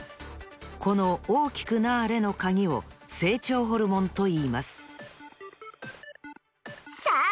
この大きくなれのカギを「成長ホルモン」といいますさあ